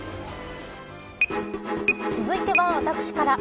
続いては、私から。